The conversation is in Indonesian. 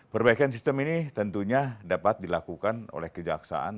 perbaikan sistem ini tentunya dapat dilakukan oleh kejaksaan